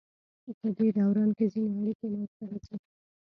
پدې دوران کې ځینې اړیکې منځ ته راځي.